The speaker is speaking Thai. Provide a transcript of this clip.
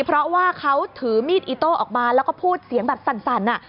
เพราะว่าเขาถือมีดอิโต้ออกมาแล้วก็พูดเสียงแบบสั่น